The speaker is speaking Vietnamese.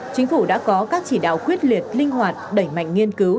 chính phủ đã có các chỉ đạo quyết liệt linh hoạt đẩy mạnh nghiên cứu